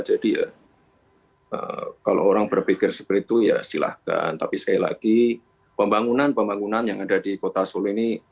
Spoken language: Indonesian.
jadi ya kalau orang berpikir seperti itu ya silahkan tapi sekali lagi pembangunan pembangunan yang ada di kota solo ini